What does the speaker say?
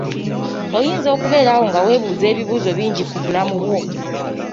Oyinza okubeera awo nga weebuuza ebibuuzo bingi ku bulamu bwo.